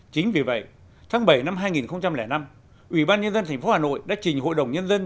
chính vì vậy tháng bảy năm hai nghìn năm ủy ban nhân dân tp hà nội đã trình hội đồng nhân dân